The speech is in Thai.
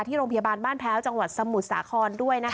ที่โรงพยาบาลบ้านแพ้วจังหวัดสมุทรสาครด้วยนะคะ